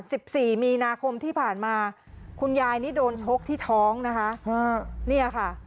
สิบสี่มีนาคมที่ผ่านมาคุณยายนี่โดนชกที่ท้องนะคะฮะเนี่ยค่ะ